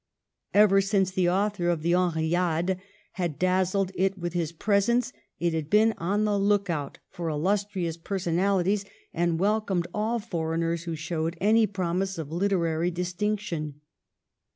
Ever since the author of the " Henriade " had dazzled it with his presence, it had been on the look out for illustrious personalities, and welcomed all for eigners who showed any promise of literary dis tinction.